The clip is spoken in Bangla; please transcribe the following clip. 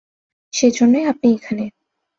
সেজন্যই আপনি এখানে।